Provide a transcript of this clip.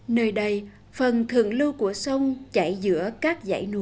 nơi đây phần thường lưu của sông chạy giữa các dãy núi